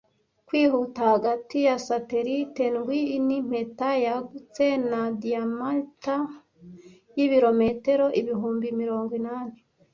Kwihuta hagati ya satelite ndwi nimpeta yagutse, na diameter y'ibirometero ibihumbi mirongo inani,